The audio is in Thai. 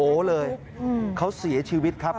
โอ้โหเลยเขาเสียชีวิตครับ